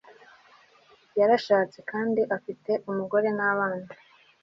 yarashatse kandi afite umugore n abana